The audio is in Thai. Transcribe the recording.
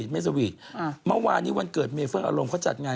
กระเทยเก่งกว่าเออแสดงความเป็นเจ้าข้าว